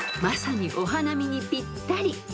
［まさにお花見にぴったり］